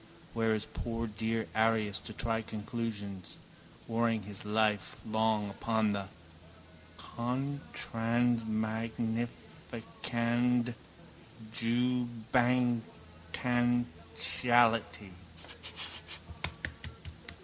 Where is poor dear Arius to try conclusions? Warring his life long upon the contransmagnificandjewbangtantiality.